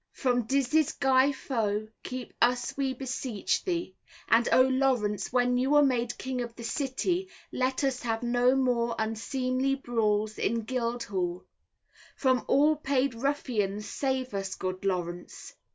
From Dizzey's Guy Faux keep us we beseech thee. And oh, Lawrence, when you are made king of the city, let us have no more unseemly brawls in Guildhall. From all paid ruffians, save us good Lawrence.